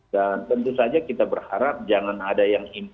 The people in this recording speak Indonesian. dan tentu saja kita berharap jangan ada yang